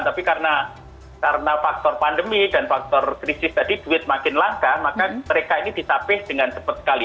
tapi karena faktor pandemi dan faktor krisis tadi duit makin langka maka mereka ini ditapeh dengan cepat sekali